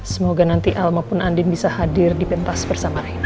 semoga nanti al maupun andin bisa hadir di pentas bersama ini